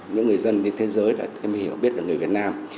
những người dân trên thế giới đã thêm hiểu biết về người việt nam